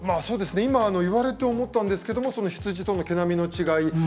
今、言われて思ったんですけれど羊との毛並みの違い